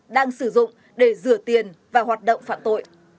đang sử dụng để rửa tiền và hoạt động phạm tội